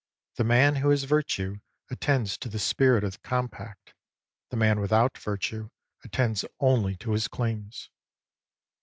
The man who has Virtue attends to the spirit of the compact ; the man without Virtue attends only to his claims.